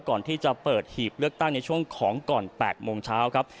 ก่อนที่จะเปิดหีบเลือกตั้งในช่วงของก่อน๘โมงเช้าครับ